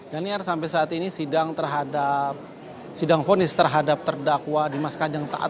daniel sampai saat ini sidang fonis terhadap terdakwa dimas kanjeng taat